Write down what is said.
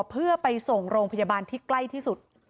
เพื่อไปส่งโรงพยาบาลที่ใกล้ที่สุด